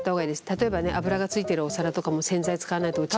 例えばね油がついてるお皿とかも洗剤使わないと落ちない。